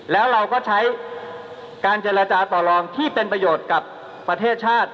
แล้วเราก็ใช้การเจรจาต่อลองที่เป็นประโยชน์กับประเทศชาติ